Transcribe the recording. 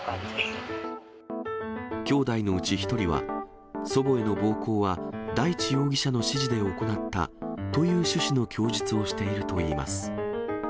きょうだいのうち１人は、祖母への暴行は大地容疑者の指示で行ったという趣旨の供述をしているといいます。